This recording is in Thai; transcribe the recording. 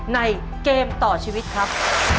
ในเกมต่อชีวิตครับ